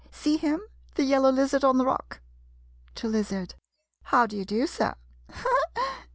See him — the yellow lizard on the rock? [To lizard.] How do you do, sir? [Laughs.